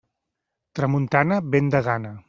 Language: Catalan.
Tramuntana, vent de gana.